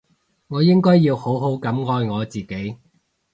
我應該要好好噉愛我自己